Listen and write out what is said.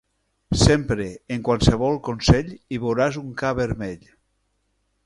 Sempre, en qualsevol consell, hi veuràs un ca vermell.